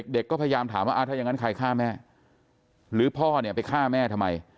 เด็กก็พยายามถามว่าถ้าอย่างนั้นใครฆ่าแม่หรือพ่อเนี่ยไปฆ่าแม่ทำไม